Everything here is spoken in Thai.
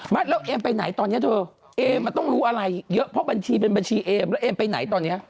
ไม่แล้วเอมไปไหนตอนนี้เธอเอมมันต้องรู้อะไรเยอะเพราะบัญชีเป็นบัญชีเอมแล้วเอมไปไหนตอนนี้